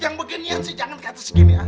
yang begini sih jangan kata segini